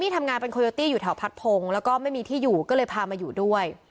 ทำงานเป็นอยู่เท่าผัดผงแล้วก็ไม่มีที่อยู่ก็เลยพามาอยู่ด้วย